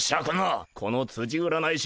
このつじ占い師